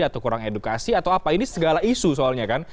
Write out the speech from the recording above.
atau kurang edukasi atau apa ini segala isu soalnya kan